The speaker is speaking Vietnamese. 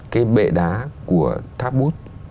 cái bệ đá của tháp bút